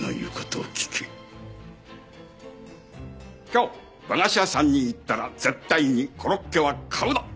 今日和菓子屋さんに行ったら絶対にコロッケは買うな。